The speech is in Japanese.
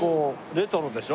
レトロでしょ？